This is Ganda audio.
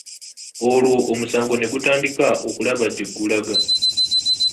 Olwo omusango ne tutandika okulaba gye gulaga.